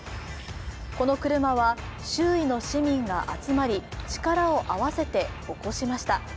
この車は周囲の市民が集まり力を合わせて起こしました。